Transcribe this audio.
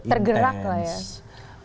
tergerak lah ya